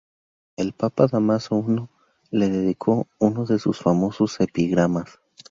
El papa Dámaso I le dedicó uno de sus famosos epigramas.